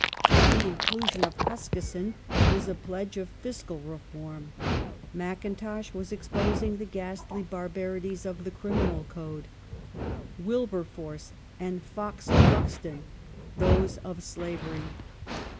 The inclusion of Huskisson was a pledge of fiscal reform. Mackintosh was exposing the ghastly bar barities of the criminal code ; Wilberforce and Fowell Buxton those of slavery.